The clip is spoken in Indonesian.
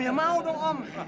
om yang mau dong om